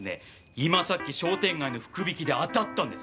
今さっき商店街の福引で当たったんです。